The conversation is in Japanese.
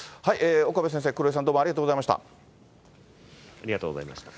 岡部先生、黒井さん、どうもありありがとうございました。